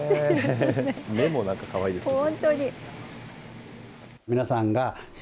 目もなんかかわいいですね。